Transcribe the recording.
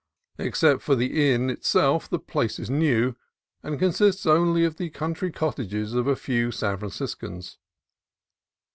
Except for the inn itself the place is new. and con sists only of the country cottages of a few San Fran ciscans.